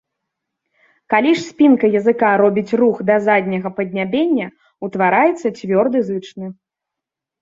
Калі ж спінка языка робіць рух да задняга паднябення, утвараецца цвёрды зычны.